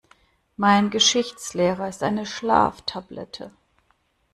Mein Geschichtslehrer ist eine Schlaftablette.